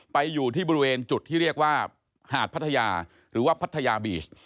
อยู่ที่บริเวณจุดที่เรียกว่าหาดพัทยาหรือว่าพัทยาบีช